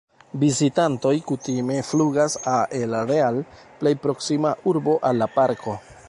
Vizitantoj kutime flugas al El Real, plej proksima urbo al la parko.